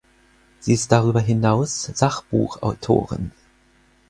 Sie ist darüber hinaus Sachbuchautorin.